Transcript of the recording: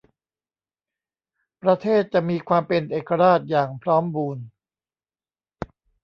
ประเทศจะมีความเป็นเอกราชอย่างพร้อมบูรณ์